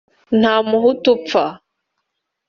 nta muhutu upfa